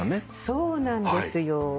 そうなんですよ。